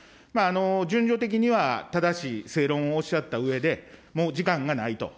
順序的には正しい正論をおっしゃったうえで、もう時間がないと。